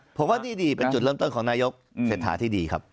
ผมว่าดีเป็นจุดเริ่มต้นของนายกเสร็จทางหาที่ดีครับ